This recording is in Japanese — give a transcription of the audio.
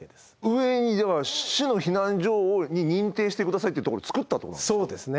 上には市の避難所に認定して下さいってところを作ったってことなんですか？